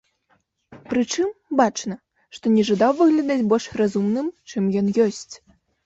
Прычым, бачна, што не жадаў выглядаць больш разумным, чым ён ёсць.